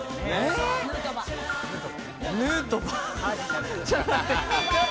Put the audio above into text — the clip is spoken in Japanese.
ヌートバー？